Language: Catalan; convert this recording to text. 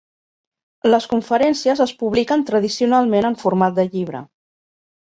Les conferències es publiquen tradicionalment en forma de llibre.